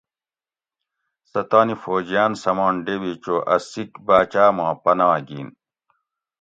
سہ تانی فوجیان سمان ڈیوی چو اَ سیکھ باۤچاۤ ما پناہ گین